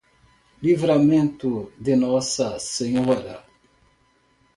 Livramento de Nossa Senhora